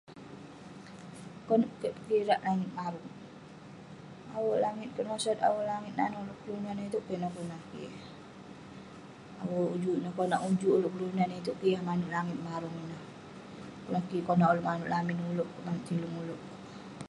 Konak kek pekirak langit marung. Awe' langit kenosot, awe' langit nanouk ulouk kelunan itouk ineh kukik. Awe' ujuk neh konak ujuk ulouk kelunan itouk kek yah manouk langit marung ineh. [unintelligible] konak ulouk manouk lamin ulouk, manouk tilung ulouk.